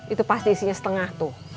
itu pasti isinya setengah tuh